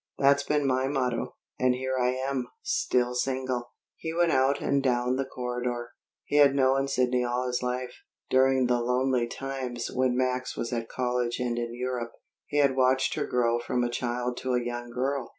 That's been my motto, and here I am, still single." He went out and down the corridor. He had known Sidney all his life. During the lonely times when Max was at college and in Europe, he had watched her grow from a child to a young girl.